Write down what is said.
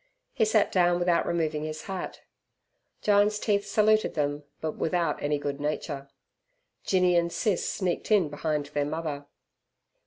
He sat down without removing his hat. Jyne's teeth saluted them but without any good nature. Jinny and Sis sneaked in behind their mother.